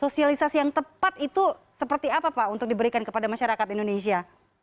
sosialisasi yang tepat itu seperti apa pak untuk diberikan kepada masyarakat indonesia